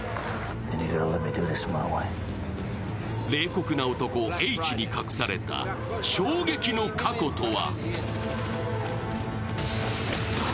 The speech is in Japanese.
冷酷な男、Ｈに隠された衝撃の過去とは？